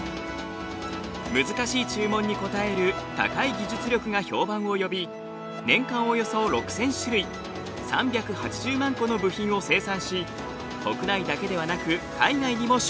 難しい注文に応える高い技術力が評判を呼び年間およそ６，０００種類３８０万個の部品を生産し国内だけではなく海外にも出荷。